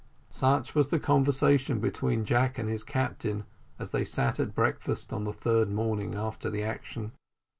Such was the conversation between Jack and his captain, as they sat at breakfast on the third morning after the action.